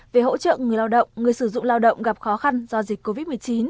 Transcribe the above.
về hỗ trợ người lao động người sử dụng lao động gặp khó khăn do dịch covid một mươi chín